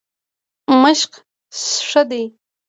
مشق ښه دی.